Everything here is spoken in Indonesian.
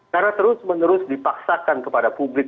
karena terus menerus dipaksakan kepada publik